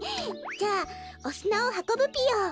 じゃあおすなをはこぶぴよ。